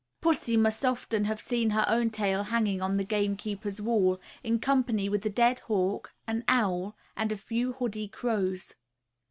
Pussy must often have seen her own tail hanging on the game keeper's wall, in company with a dead hawk, an owl, and a few hoody crows.